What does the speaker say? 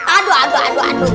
aduh aduh aduh aduh